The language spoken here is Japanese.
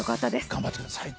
頑張ってください。